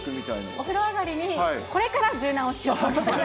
お風呂上がりにこれから柔軟をしようと。